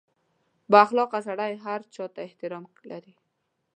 • بااخلاقه سړی هر چا ته احترام لري.